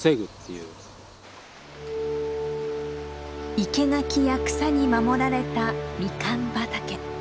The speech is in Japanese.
生け垣や草に守られたミカン畑。